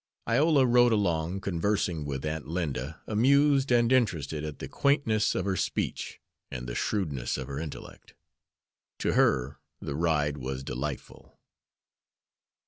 Iola rode along, conversing with Aunt Linda, amused and interested at the quaintness of her speech and the shrewdness of her intellect. To her the ride was delightful.